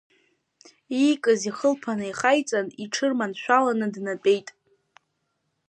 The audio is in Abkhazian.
Иикыз ихылԥа наихаиҵан, иҽырманшәаланы днатәеит.